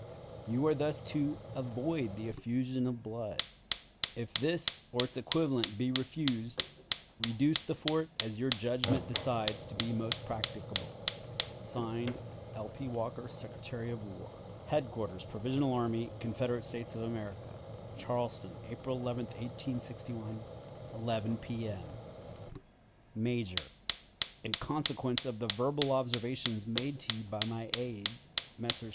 You are thus to avoid the effusion of blood. If this or its equivalent be refused, reduce the fort as your judgment decides to be most practicable. (Signed) "L. P. Walker, Secretary of War." "Headquarters Provisional Army, C. S. A., "Charleston, April 11, 1861, 11 P. M. "Major: In consequence of the verbal observations made by you to my aides, Messrs.